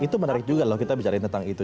itu menarik juga loh kita bicara tentang itu